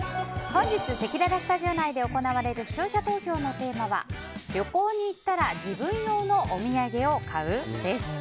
本日せきららスタジオ内で行われる視聴者投票のテーマは旅行に行ったら自分用のお土産を買う？です。